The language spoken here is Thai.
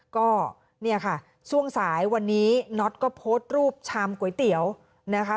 ก็เนี่ยค่ะช่วงสายวันนี้น็อตก็โพสต์รูปชามก๋วยเตี๋ยวนะคะ